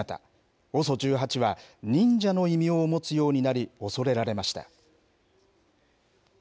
ＯＳＯ１８は忍者の異名を持つようになり、恐れられました。